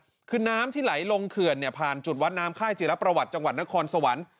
และนิดหนึ่งไบน้ำที่ไหลลงเขื่อนเนี่ยผ่านจุดวัดน้ำไข้เจียรภัวร์จังหวัดนครสวรรค์